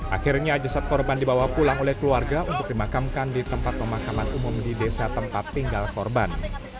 akhirnya jasad korban dibawa pulang oleh keluarga untuk dimakamkan di tempat pemakaman umum di desa tempat tinggal korban